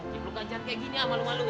ciklu ganjar kayak gini malu maluin